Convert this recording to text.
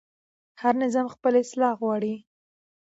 هر نظام خپل اصلاح غواړي